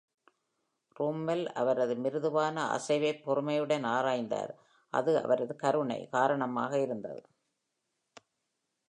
Brummell அவரது மிருதுவான அசைவைப் பொறுமையுடன் ஆராய்ந்தார், அது அவரது கருணை காரணமாக இருந்தது.